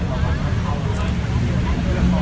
สวัสดีค่ะ